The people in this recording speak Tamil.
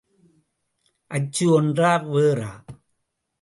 அச்சு ஒன்றா வேறா?